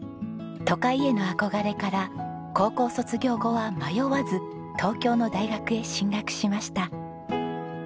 都会への憧れから高校卒業後は迷わず東京の大学へ進学しました。